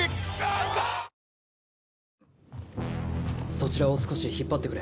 そちらを少し引っ張ってくれ。